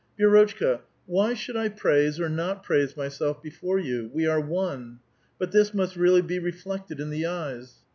" Vi^rotchka, why should I praise or not praise myself before you? We are one. But this must really be reflected in the eyes.